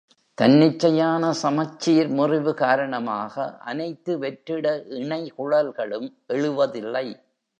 தன்னிச்சையான சமச்சீர் முறிவு காரணமாக அனைத்து வெற்றிட இணைகுழல்களும் எழுவதில்லை.